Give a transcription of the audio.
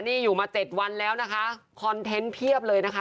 นี่อยู่มา๗วันแล้วนะคะคอนเทนต์เพียบเลยนะคะ